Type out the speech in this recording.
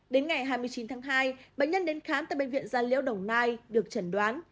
đến ngày hai mươi chín tháng hai bệnh nhân đến khám tại bệnh viện gia liễu đồng nai được chẩn đoán